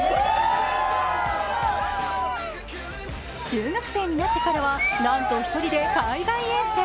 中学生になってからは、なんと１人で海外遠征。